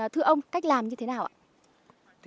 thưa ông cách làm như thế nào ạ